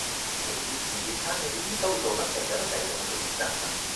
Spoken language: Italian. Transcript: Negli ultimi dieci anni di vita usò una sedia a rotelle motorizzata.